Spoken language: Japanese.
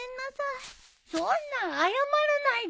そんな謝らないでよ。